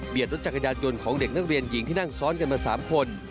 รถจักรยานยนต์ของเด็กนักเรียนหญิงที่นั่งซ้อนกันมา๓คน